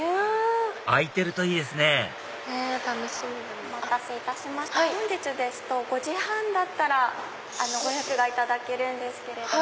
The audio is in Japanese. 空いてるといいですねお待たせいたしました本日ですと５時半だったらご予約がいただけるんですけれども。